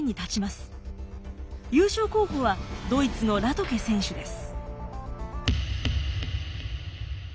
優勝候補はドイツのラトケ選手です。